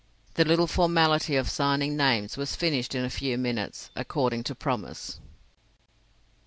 The little formality of signing names was finished in a few minutes, according to promise.